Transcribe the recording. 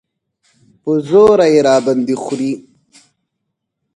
په زوره یې راباندې خورې.